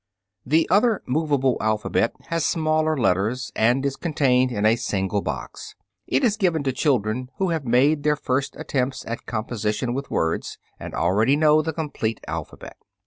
The other movable alphabet has smaller letters and is contained in a single box. It is given to children who have made their first attempts at composition with words, and already know the complete alphabet.